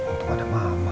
untung ada mama